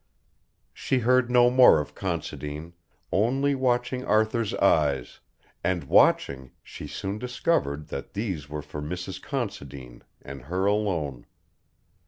She heard no more of Considine, only watching Arthur's eyes, and watching, she soon discovered that these were for Mrs. Considine and her alone.